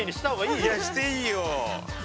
いやしていいよ。